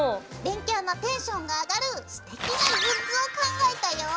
勉強のテンションが上がるすてきなグッズを考えたよ。